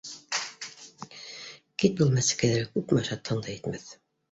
— Кит, был мәсекәйҙәргә күпме ашатһаң да етмәҫ!